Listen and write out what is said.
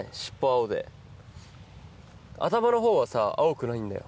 頭のほうはさ青くないんだよ。